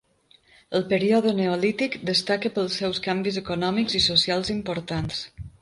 El període neolític destaca pels seus canvis econòmics i socials importants.